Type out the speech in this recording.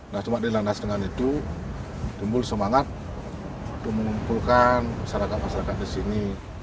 nah cuma dilandas dengan itu tumbuh semangat untuk mengumpulkan masyarakat masyarakat di sini